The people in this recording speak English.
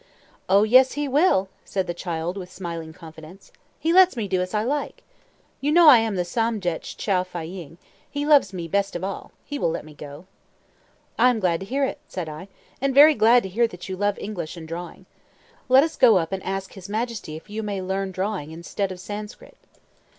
"O yes, he will!" said the child with smiling confidence. "He lets me do as I like. You know I am the Somdetch Chow Fâ ying; he loves me best of all; he will let me go." "I am glad to hear it," said I, "and very glad to hear that you love English and drawing. Let us go up and ask his Majesty if you may learn drawing instead of Sanskrit."